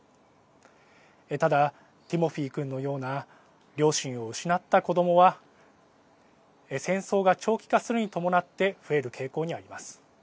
ただ、ティモフィ君のような両親を失った子どもは戦争が長期化するに伴って増える傾向にあります。